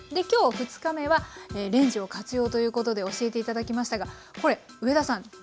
今日２日目はレンジを活用ということで教えて頂きましたがこれ上田さん